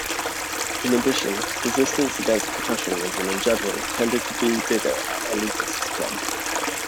In addition, resistance against professionalism in general tended to be bigger at elitists clubs.